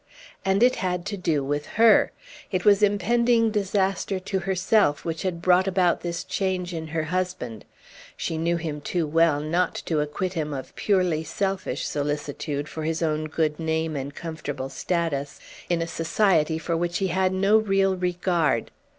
And it had to do with her; it was impending disaster to herself which had brought about this change in her husband; she knew him too well not to acquit him of purely selfish solicitude for his own good name and comfortable status in a society for which he had no real regard.